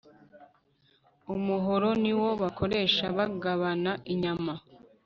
umuhoro niwo bakoresha bagabana inyama